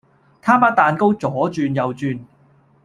他把蛋糕左轉右轉